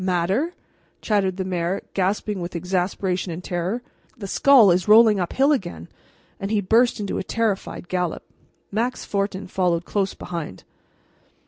"Matter!" chattered the mayor, gasping with exasperation and terror. "The skull is rolling up hill again," and he burst into a terrified gallop, Max Fortin followed close behind.